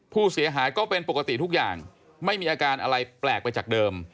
ผู้เสียหายก็เป็นปกติทุกอย่างไม่มีอาการอะไรแปลกไปจากเดิม